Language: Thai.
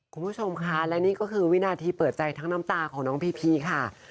คุณผู้ชมค่ะและนี่ก็คือวินาทีเปิดใจทั้งน้ำตาของน้องพีพีค่ะ